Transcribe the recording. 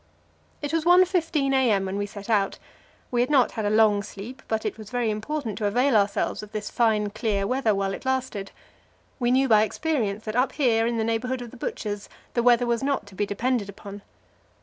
It was 1.15 a.m. when we set out. We had not had a long sleep, but it was very important to avail ourselves of this fine, clear weather while it lasted; we knew by experience that up here in the neighbourhood of the Butcher's the weather was not to be depended upon.